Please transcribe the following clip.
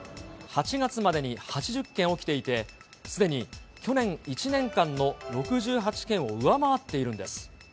８月までに８０件起きていて、すでに去年１年間の６８件を上回っているんです。